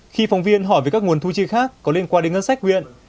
khi phóng viên hỏi về các nguồn thu chi khác có liên quan đến ngân sách huyện